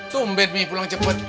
sumbet nih pulang cepet